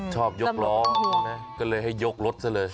ชอบยกร้องก็เลยให้ยกรถซะเลย